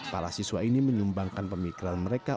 para siswa ini menyumbangkan pemikiran mereka